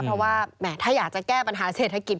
เพราะว่าแหมถ้าอยากจะแก้ปัญหาเศรษฐกิจ